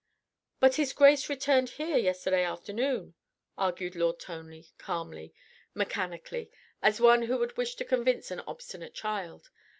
"But His Grace returned here yesterday forenoon," argued Lord Tony calmly, mechanically, as one who would wish to convince an obstinate child.